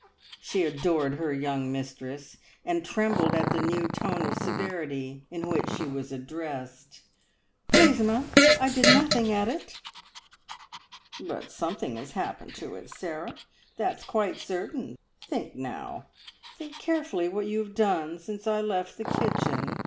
She adored her young mistress, and trembled at the new tone of severity in which she was addressed. "Please, ma'am, I did nothing at it!" "But something has happened to it, Sarah that's quite certain. Think now think carefully what you have done since I left the kitchen.